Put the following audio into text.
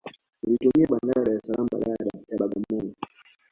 Zilitumia bandari ya Dar es Salaam badala ya Bagamoyo